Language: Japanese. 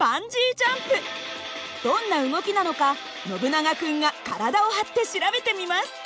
どんな動きなのかノブナガ君が体を張って調べてみます。